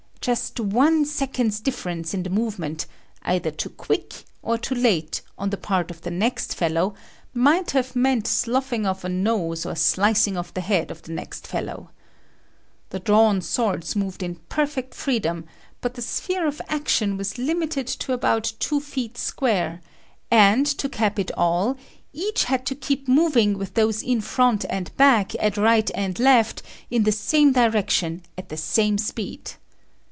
Just one second's difference in the movement, either too quick or too late, on the part of the next fellow, might have meant sloughing off a nose or slicing off the head of the next fellow. The drawn swords moved in perfect freedom, but the sphere of action was limited to about two feet square, and to cap it all, each had to keep moving with those in front and back, at right and left, in the same direction at the same speed.